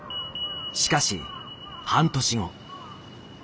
しかし半年後。